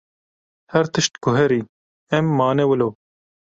Her tişt guherî, em mane wilo.